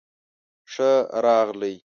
ښۀ راغلئ